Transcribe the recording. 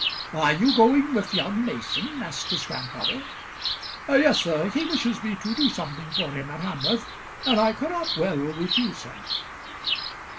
"Are you going with young Mason?" asked his grandfather. "Yes, sir; he wishes me to do something for him at Hamworth, and I cannot well refuse him."